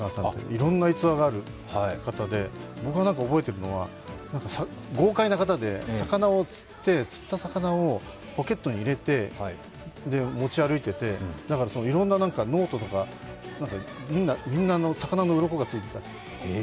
いろんな逸話がある方で僕が覚えているのは豪快な方で、魚を釣って、釣った魚をポケットに入れて持ち歩いていて、いろいろなノートとか、みんな魚のうろこがついてたと。